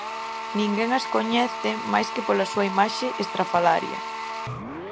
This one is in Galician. Ninguén as coñece máis que pola súa imaxe estrafalaria.